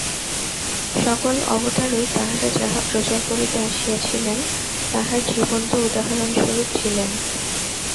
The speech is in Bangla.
সকল অবতারই, তাঁহারা যাহা প্রচার করিতে আসিয়াছিলেন, তাহার জীবন্ত উদাহরণস্বরূপ ছিলেন।